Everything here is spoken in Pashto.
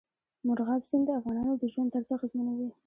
مورغاب سیند د افغانانو د ژوند طرز اغېزمنوي.